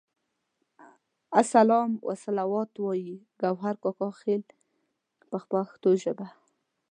السلام والصلوات وایي ګوهر کاکا خیل په پښتو ژبه.